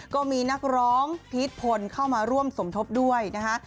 ก็มีนักร้องพีชพลเข้ามาร่วมสมทบด้วยนะคะ